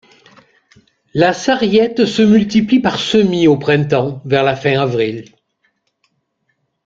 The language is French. La sarriette se multiplie par semis au printemps vers la fin avril.